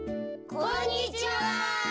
こんにちは！